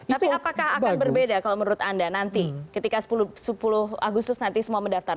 tapi apakah akan berbeda kalau menurut anda nanti ketika sepuluh agustus nanti semua mendaftar